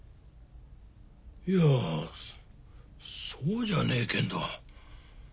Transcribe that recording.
いやそうじゃねえけんど